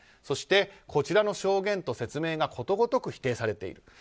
そして、こちらの証言と説明がことごとく否定されている。